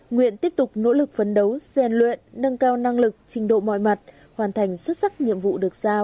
nguyện tiếp tục nỗ lực phấn đấu xen luyện nâng cao năng lực trình độ mọi mặt hoàn thành xuất sắc nhiệm vụ được giao